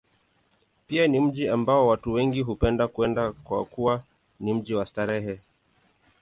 Pia ni mji ambao watu wengi hupenda kwenda, kwa kuwa ni mji wa starehe.